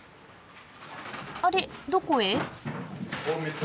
あれっどこへ？